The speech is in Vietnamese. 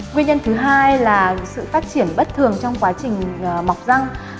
nguyên nhân thứ hai là sự phát triển bất thường trong quá trình mọc răng